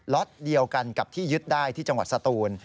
ล็อตเดียวกันกับที่ยึดได้ที่จังหวัดสตูน